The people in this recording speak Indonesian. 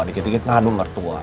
dikit dikit ngadu ke mertua